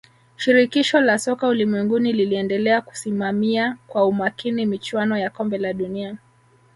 shirikisho la soka ulimwenguni liliendelea kusimamia kwa umakini michuano ya kombe la dunia